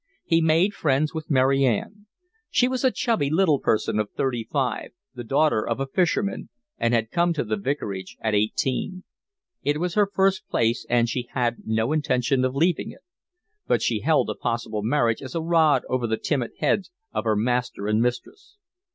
He made friends with Mary Ann. She was a chubby little person of thirty five, the daughter of a fisherman, and had come to the vicarage at eighteen; it was her first place and she had no intention of leaving it; but she held a possible marriage as a rod over the timid heads of her master and mistress.